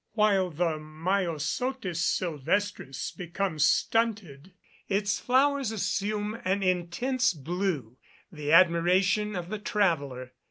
While the Myosotis silvestris becomes stunted, its flowers assume an intense blue the admiration of the traveller.